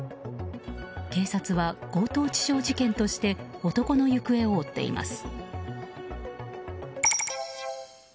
警察は強盗致傷事件として男の行方を追っています。